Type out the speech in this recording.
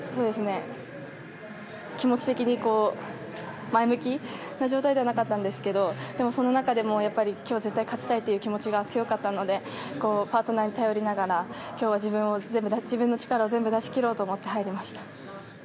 気持ち的に、前向きな状態ではなかったんですけどでも、その中でも今日は絶対勝ちたいという気持ちが強かったのでパートナーに頼りながら今日は自分の力を全部出しきろうと思って入りました。